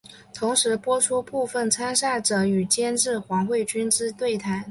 同时播出部分参赛者与监制黄慧君之对谈。